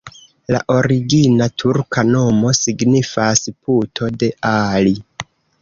La origina turka nomo signifas: puto de Ali.